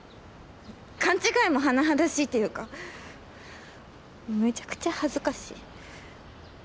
勘違いも甚だしいっていうかめちゃくちゃ恥ずかしい。